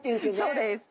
そうです。